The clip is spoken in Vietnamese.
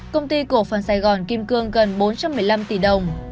công ty cổ phần sài gòn kim cương gần bốn trăm một mươi năm tỷ đồng